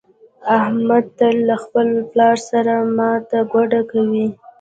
احمد تل له خپل پلار سره ماته ګوډه کوي.